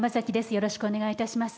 よろしくお願いします。